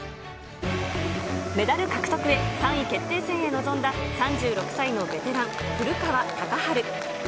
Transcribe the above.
メダル獲得へ、３位決定戦へ臨んだ３６歳のベテラン、古川高晴。